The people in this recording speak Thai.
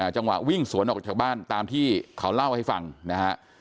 จังหวะวิ่งสวนออกจากบ้านตามที่เขาเล่าให้ฟังนะฮะ